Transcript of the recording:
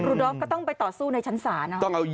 ดอฟก็ต้องไปต่อสู้ในชั้นศาลนะ